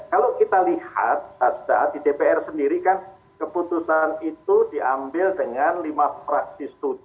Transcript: kalau kita lihat di dpr sendiri kan keputusan itu diambil dengan lima fraksi